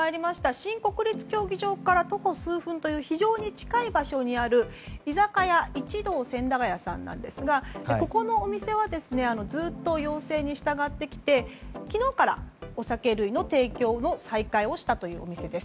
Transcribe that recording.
新国立競技場から徒歩数分という非常に近い場所にある居酒屋一堂千駄ヶ谷さんなんですがここのお店はずっと要請に従ってきて昨日からお酒類の提供の再開をしたというお店です。